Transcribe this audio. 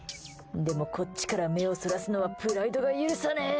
でもこっちから目をそらすのはプライドが許さねえ。